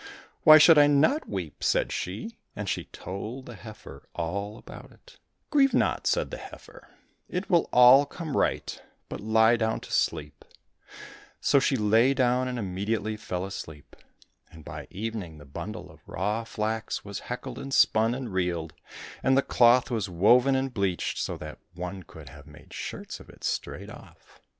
—" Why should I not weep ?" said she, and she told the heifer all about it. —" Grieve not !" said THE GIRL DROVE THE HEIFER OUT TO GRAZE 148 THE GOLDEN SLIPPER the heifer, " it will all come right, but lie down to sleep." — So she lay down and immediately fell asleep. And by evening the bundle of raw flax was heckled and spun and reeled, and the cloth was woven and bleached, so that one could have made shirts of it straight off.